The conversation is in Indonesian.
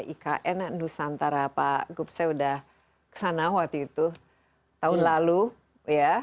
ikn nusantara pak gup saya sudah kesana waktu itu tahun lalu ya